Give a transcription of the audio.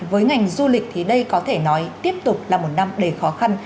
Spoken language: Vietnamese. với ngành du lịch thì đây có thể nói tiếp tục là một năm đầy khó khăn